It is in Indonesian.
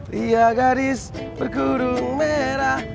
dia gadis bergudung merah